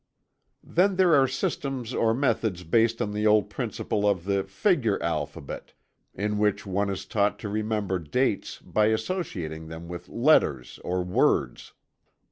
Then there are systems or methods based on the old principle of the "Figure Alphabet," in which one is taught to remember dates by associating them with letters or words.